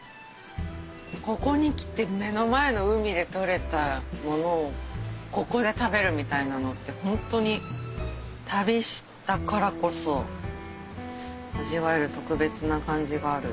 ここに来て目の前の海で取れたものをここで食べるみたいなのってホントに旅したからこそ味わえる特別な感じがある。